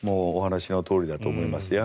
お話のとおりだと思います。